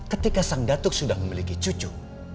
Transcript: ketika sang datuk sudah memiliki cucu